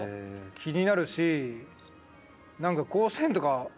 気になるし何か。